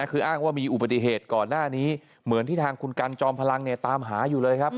คืออ้างว่ามีอุบัติเหตุก่อนหน้านี้เหมือนที่ทางคุณกันจอมพลังตามหาอยู่เลยครับ